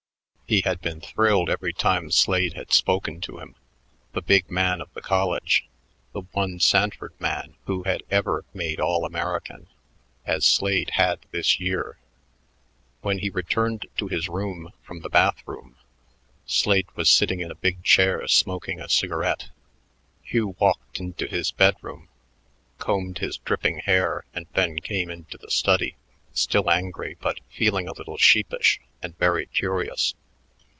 He had been thrilled every time Slade had spoken to him the big man of the college, the one Sanford man who had ever made All American, as Slade had this year. When he returned to his room from the bath room, Slade was sitting in a big chair smoking a cigarette. Hugh walked into his bedroom, combed his dripping hair, and then came into the study, still angry but feeling a little sheepish and very curious.